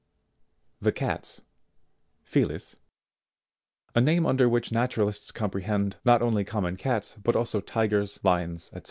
70. The CATS, Felix, ,a name under which naturalists com prehend, not only common Cats, but also Tigers, Lions, &c.)